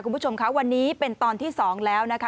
คุณผู้ชมคะวันนี้เป็นตอนที่๒แล้วนะคะ